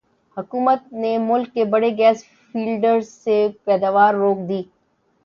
حکومت نے ملک کے بڑے گیس فیلڈز سے پیداوار روک دی